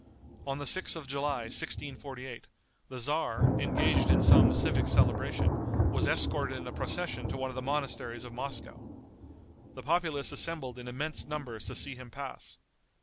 On the 6th of July, 1648, the tzar, engaged in some civic celebration, was escorted in a procession to one of the monasteries of Moscow. The populace assembled in immense numbers to see him pass.